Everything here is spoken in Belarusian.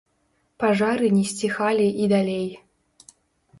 Пажары не сціхалі і далей.